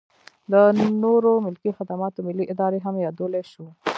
د نورو ملکي خدماتو ملي ادارې هم یادولی شو.